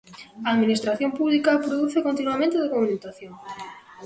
A Administración Pública produce continuamente documentación.